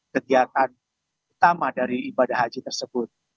kegiatan utama dari ibadah haji tersebut